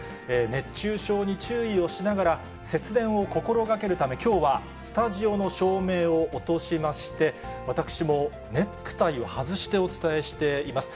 熱中症に注意をしながら、節電を心がけるため、きょうは、スタジオの照明を落としまして、私もネクタイを外してお伝えしています。